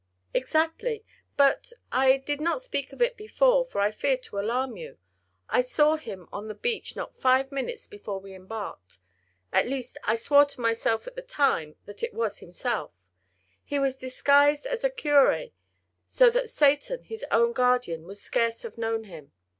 "Exactly. But—I did not speak of it before, for I feared to alarm you—I saw him on the beach not five minutes before we embarked. At least, I swore to myself at the time that it was himself; he was disguised as a curé, so that Satan, his own guardian, would scarce have known him.